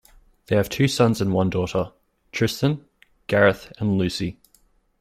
They have two sons and one daughter, Tristan, Gareth and Lucy.